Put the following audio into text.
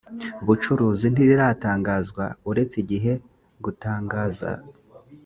bucuruzi ntiritangazwa uretse igihe gutangaza